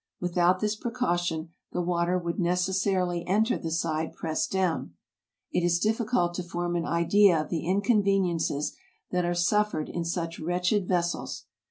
Without this precaution the water would necessarily enter the side pressed down. It is difficult to form an idea of the inconveniences that are suffered in such wretched ves sels.